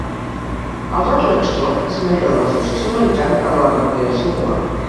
El Rock Lodge Club és membre de l'Associació americana per a la recreació nua.